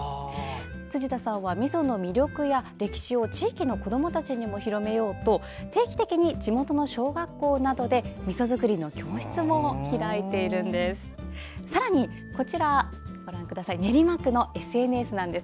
辻田さんは、みその魅力や歴史を地域の子供たちにも広めようと定期的に地元の小学校などでみそ作りの教室も開いているんです。